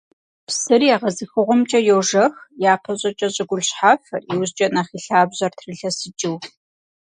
Псыр егъэзыхыгъуэмкӀэ йожэх, япэ щӀыкӀэ щӀыгулъ шхьэфэр, иужькӀэ нэхъ и лъабжьэр трилъэсыкӀыу.